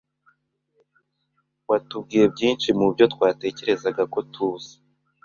Watubwiye byinshi mubyo twatekerezaga ko tuzi